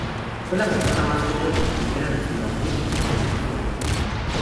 Fue la persona más joven, y primera de Singapur, en recibir ese honor.